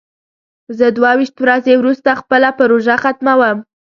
زه دوه ویشت ورځې وروسته خپله پروژه ختموم.